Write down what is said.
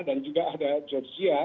dan juga ada georgia